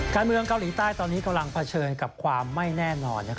การเมืองเกาหลีใต้ตอนนี้กำลังเผชิญกับความไม่แน่นอน